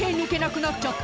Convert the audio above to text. なっちゃった」